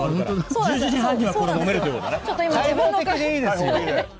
１１時半には飲めるということだね。